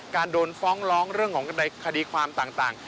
โดนฟ้องร้องเรื่องของในคดีความต่าง